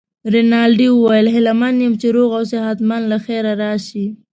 رینالډي وویل: هیله من یم چي روغ او صحت مند له خیره راشې.